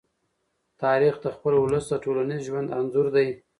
تاریخ د خپل ولس د ټولنیز ژوند انځور دی.